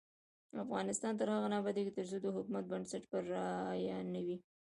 افغانستان تر هغو نه ابادیږي، ترڅو د حکومت بنسټ پر رایه نه وي.